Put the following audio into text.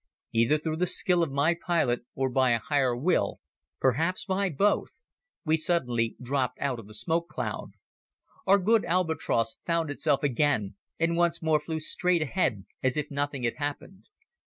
Either through the skill of my pilot or by a Higher Will, perhaps by both, we suddenly dropped out of the smoke cloud. Our good Albatros found itself again and once more flew straight ahead as if nothing had happened.